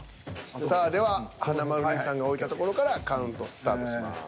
さあでは華丸兄さんが置いた所からカウントスタートします。